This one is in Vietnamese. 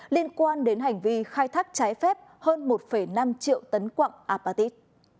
liên quan đến hành vi khai thác trái phép hơn một năm triệu tấn quặng apatit